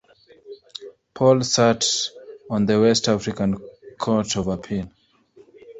Paul sat on the West African Court of Appeal.